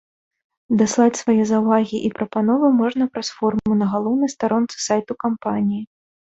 Даслаць свае заўвагі і прапановы можна праз форму на галоўнай старонцы сайту кампаніі.